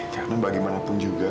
karena bagaimanapun juga